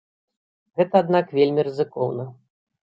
Гэта, аднак, вельмі рызыкоўна.